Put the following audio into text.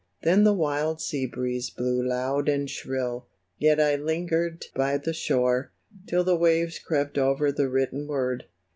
Then the wild sea breeze blew loud and shrill, Yet I lingered by the shore. Till the waves crept over the written word.